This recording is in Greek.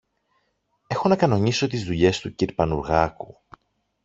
Έχω να κανονίσω τις δουλειές του κυρ-Πανουργάκου.